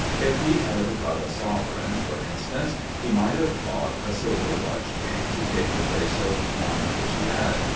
If he had got a sovereign, for instance, he might have bought a silver watch chain to take the place of one which he had.